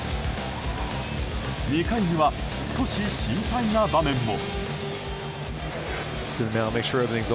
２回には、少し心配な場面も。